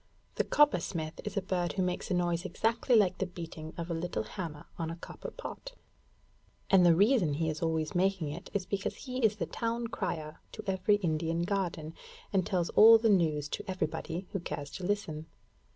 The Coppersmith is a bird who makes a noise exactly like the beating of a little hammer on a copper pot; and the reason he is always making it is because he is the town crier to every Indian garden, and tells all the news to everybody who cares to listen.